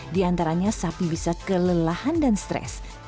di antaranya sapi bisa kelelahan dan stres